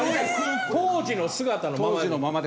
当時の姿のまま。